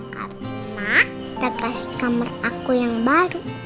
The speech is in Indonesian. karena kita kasih kamar aku yang baru